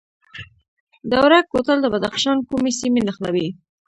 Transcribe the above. دوره کوتل د بدخشان کومې سیمې نښلوي؟